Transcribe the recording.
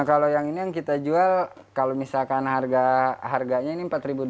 nah kalau yang ini yang kita jual kalau misalkan harganya ini empat dua ratus lima puluh